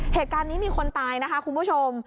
เหตุการณ์นี้มีคนตายนะคะคุณผู้ชม